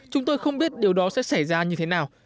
chúng tôi không biết điều đó sẽ xảy ra như thế nào